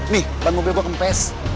nih ban mobil gue kempes